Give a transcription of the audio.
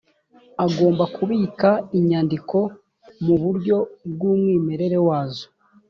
agomba kubika inyandiko mu buryo bw’umwimerere wazo